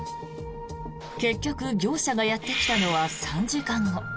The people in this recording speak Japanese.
結局、業者がやってきたのは３時間後。